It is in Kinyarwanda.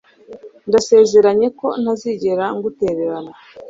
Ndasezeranye ko ntazigera ngutererana